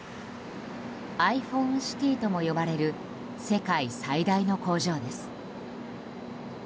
ｉＰｈｏｎｅシティーとも呼ばれる世界最大の工場です。